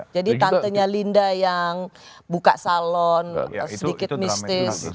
jadi tantenya linda yang buka salon sedikit mistis